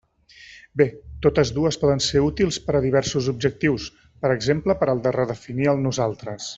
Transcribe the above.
Bé, totes dues poden ser útils per a diversos objectius, per exemple per al de redefinir el "nosaltres".